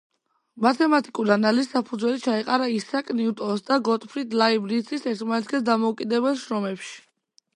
მათემატიკურ ანალიზს საფუძველი ჩაეყარა ისააკ ნიუტონის და გოტფრიდ ლაიბნიცის ერთმანეთისგან დამოუკიდებელ შრომებში.